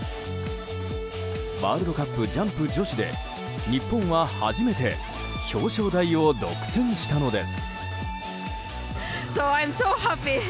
ワールドカップジャンプ女子で日本は初めて表彰台を独占したのです。